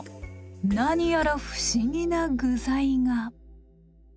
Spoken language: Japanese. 何やら不思議な具材が。